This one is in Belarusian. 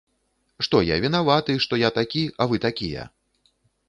Што я вінаваты, што я такі, а вы такія?